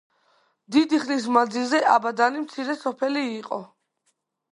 დიდი ხნის მანძილზე აბადანი მცირე სოფელი იყო.